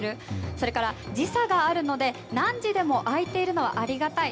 それから時差があるので何時でも開いているのはありがたい。